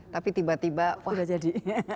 tapi tiba tiba sudah jadi